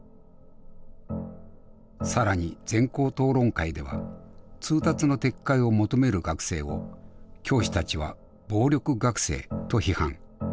更に全校討論会では通達の撤回を求める学生を教師たちは暴力学生と批判。